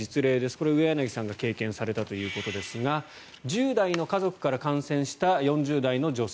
これ、上柳さんが経験されたということですが１０代の家族から感染した４０代の女性。